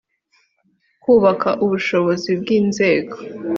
kubaka ubushobozi bw inzego